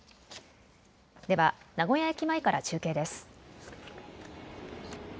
では名古屋駅前から中継です。